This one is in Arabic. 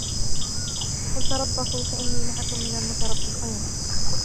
قُلْ تَرَبَّصُوا فَإِنِّي مَعَكُمْ مِنَ الْمُتَرَبِّصِينَ